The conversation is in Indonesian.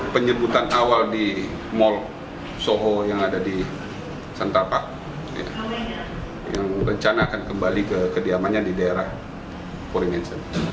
penyebutan awal di mall soho yang ada di sentapak yang rencana akan kembali ke kediamannya di daerah foreign